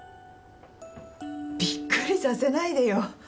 びっくりさせないでよ。